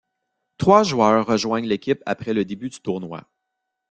Trois joueurs rejoignent l'équipe après le début du tournoi.